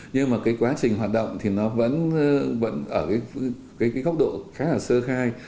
nhưng mà cái quá trình hoạt động thì nó vẫn ở cái góc độ khá là sơ khai